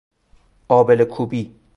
آبله کوبی